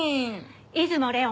出雲麗音